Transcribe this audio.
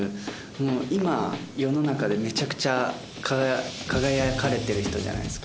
今世の中でめちゃくちゃ輝かれてる人じゃないですか。